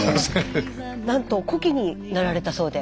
なんと古希になられたそうで。